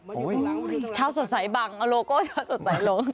โอ้โฮชาวสดใสบังโลโก้ชาวสดใสลง